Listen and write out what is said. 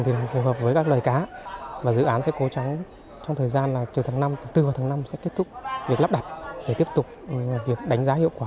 từ tháng bốn và tháng năm sẽ kết thúc việc lắp đặt để tiếp tục việc đánh giá hiệu quả